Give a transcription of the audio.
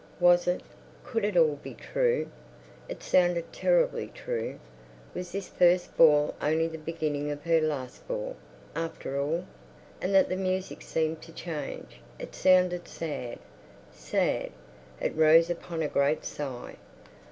Was it—could it all be true? It sounded terribly true. Was this first ball only the beginning of her last ball, after all? At that the music seemed to change; it sounded sad, sad; it rose upon a great sigh.